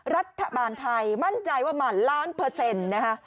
รัฐบาลไทยมั่นใจว่าหมั่นล้านเปอร์เซ็นต์นะคะ